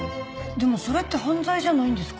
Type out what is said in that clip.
でもそれって犯罪じゃないんですか？